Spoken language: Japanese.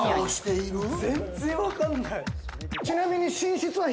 全然わかんない。